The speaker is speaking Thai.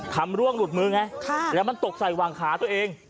คัมล่วงหลุดมือไงมันตกใส่วางค้าตัวเอง